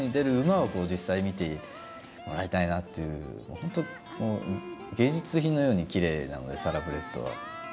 本当芸術品のようにきれいなのでサラブレッドは。